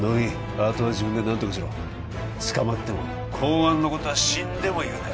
あとは自分で何とかしろ捕まっても公安のことは死んでも言うなよ